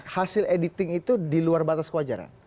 hasil editing itu diluar batas kewajaran